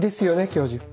教授。